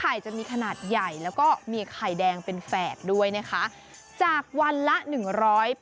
เราก็จะได้ไข่ที่อารมณ์ดีค่ะเหมือนเราเลี้ยงลูกเหมือนเรากำลังตั้งท้อง